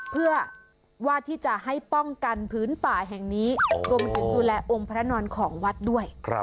เพื่อว่าที่จะให้ป้องกันพื้นป่าแห่งนี้รวมถึงดูแลองค์พระนอนของวัดด้วย